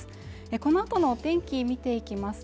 このあとの天気見ていきますと